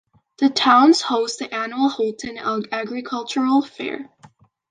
The town hosts the annual Houlton Agricultural Fair.